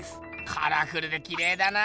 カラフルできれいだな。